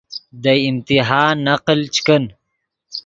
دے امتحان نقل چے کن